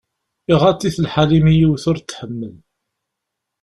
Iɣaḍ-it lḥal imi yiwet ur t-tḥemmel.